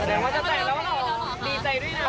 แสดงว่าจะใจแล้วว่าเราดีใจด้วยนะ